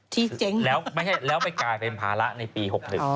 ที่เจ๊งแล้วไม่ใช่แล้วไปกลายเป็นภาระในปี๖๑